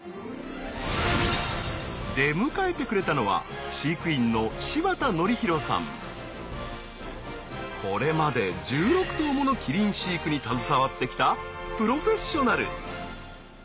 出迎えてくれたのはこれまで１６頭ものキリン飼育に携わってきたプロフェッショナル。